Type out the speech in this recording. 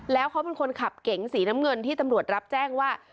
แล้วเขาเป็นคนขับเก๋งสีน้ำเงินที่ตำรวจรับแจ้งว่า